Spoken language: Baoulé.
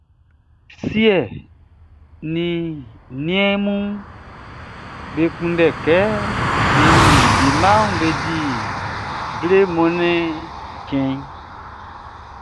Siɛ ni niɛnʼm be klo kɛ be ni be mmaʼm be di blɛ Mɔnnɛn chtɛnʼn.